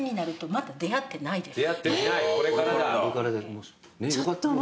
まだ出会ってないね。